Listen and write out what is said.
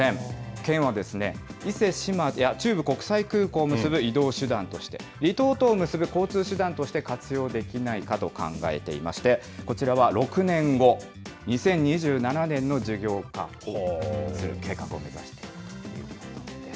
県は伊勢志摩や中部国際空港を結ぶ移動手段として、離島等を結ぶ交通手段として活用できないかと考えていまして、こちらは６年後、２０２７年の事業化する計画を目指しているということです。